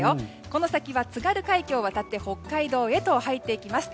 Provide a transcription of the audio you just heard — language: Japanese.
この先は津軽海峡を渡って北海道へと入っていきます。